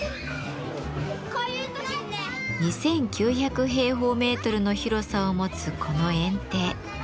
２，９００平方メートルの広さを持つこの園庭。